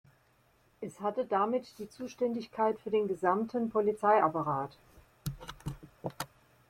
Es hatte damit die Zuständigkeit für den gesamten Polizeiapparat.